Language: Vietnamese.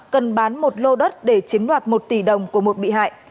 cần bán một lô đất để chiếm đoạt một tỷ đồng của một bị hại